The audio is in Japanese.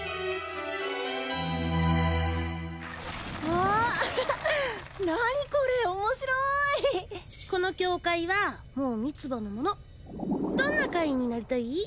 わあ何これ面白いこの境界はもうミツバのものどんな怪異になりたい？